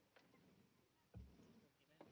สวัสดีครับ